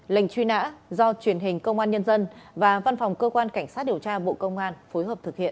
lệnh truy nã do truyền hình công an nhân dân và văn phòng cơ quan cảnh sát điều tra bộ công an phối hợp thực hiện